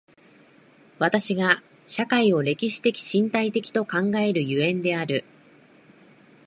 私が社会を歴史的身体的と考える所以である。